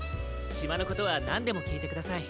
しまのことはなんでもきいてください。